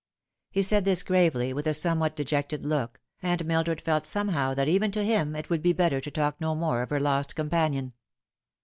He said this gravely, with a somewhat dejected look, and Mildred felt somehow that even to him it would be better to talk no more of her lost companion.